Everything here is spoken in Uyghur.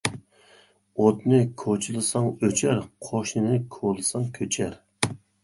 ئوتنى كوچىلىساڭ ئۆچەر، قوشنىنى كولىساڭ كۆچەر.